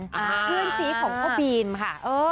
เพื่อนซีของพ่อบีมค่ะ